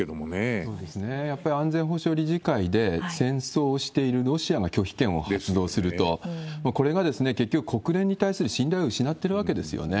やっぱり安全保障理事会で、戦争しているロシアが拒否権を発動すると、これが結局、国連に対する信頼を失ってるわけですよね。